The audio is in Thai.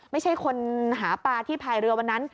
ไม่ใช่คนหาปลาที่พายเรือวันนั้น